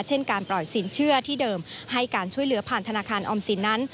เช่นการปล่อยสินเชื่อที่เดิมให้การช่วยเหลือผ่านธนาคารออมสินนั้น